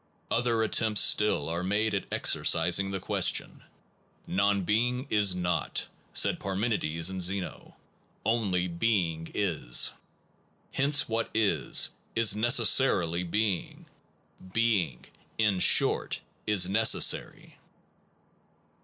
Other attempts still are made at exorcising the question. Non being is not, said Parmen ides and Zeno; only being is. Hence what is, is necessarily being being, in short, is neces sary.